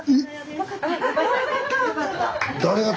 ・よかった。